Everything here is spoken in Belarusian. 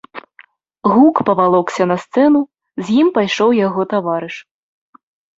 Гук павалокся на сцэну, з ім пайшоў яго таварыш.